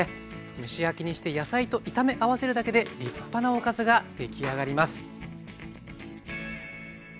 蒸し焼きにして野菜と炒め合わせるだけで立派なおかずが出来上がります。